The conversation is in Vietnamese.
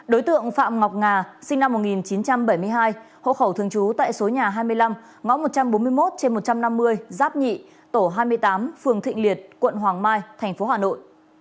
đối tượng phạm ngọc nga sinh năm một nghìn chín trăm bảy mươi hai hộ khẩu thường trú tại số nhà hai mươi năm ngõ một trăm bốn mươi một một trăm năm mươi giáp nhị tổ hai mươi tám phường thịnh liệt quận hoàng mai tp hà nội